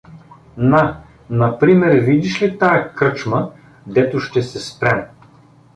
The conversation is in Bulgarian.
На, например видиш ли тая кръчма, дето ще се спрем?